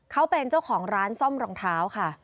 เขาเป็นเจ้าของร้านซ่อมรองเท้าค่ะ